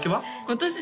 私